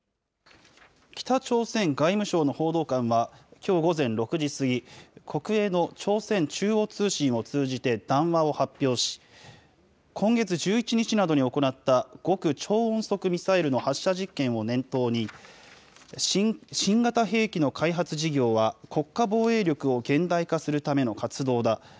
北朝鮮外務省の報道官は、きょう午前６時過ぎ、国営の朝鮮中央通信を通じて談話を発表し、今月１１日などに行った、極超音速ミサイルの発射実験を念頭に、新型兵器の開発事業は、国家防衛力を現代化するための活動だ。